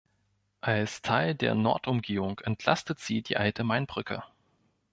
Als Teil der Nordumgehung entlastet sie die Alte Mainbrücke.